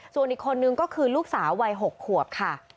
ส่วนอีกคนนึงก็คือลูกสาววัย๖ขวบค่ะ